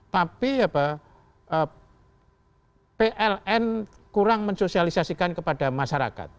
tapi pln kurang mensosialisasikan kepada masyarakat